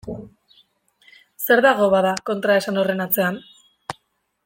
Zer dago, bada, kontraesan horren atzean?